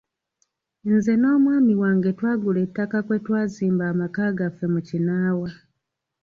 Nze n’omwami wange twagula ettaka kwe twazimba amaka gaffe mu Kinaawa.